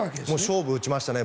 勝負を打ちましたね。